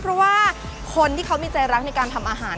เพราะว่าคนที่เขามีใจรักในการทำอาหาร